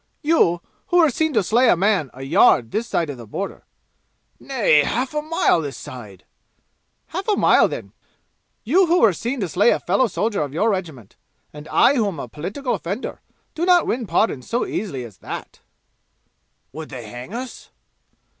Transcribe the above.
"You, who were seen to slay a man a yard this side of the border " "Nay; half a mile this side!" "Half a mile, then. You who were seen to slay a fellow soldier of your regiment, and I who am a political offender, do not win pardons so easily as that." "Would they hang us?"